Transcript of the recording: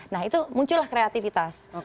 nah itu muncullah kreativitas